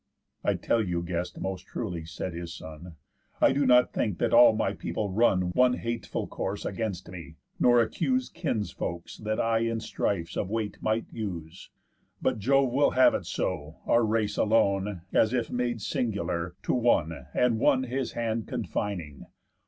"I'll tell you, guest, most truly," said his son, "I do not think that all my people run One hateful course against me; nor accuse Kinsfolks that I in strifes of weight might use; But Jove will have it so, our race alone (As if made singular) to one and one His hand confining.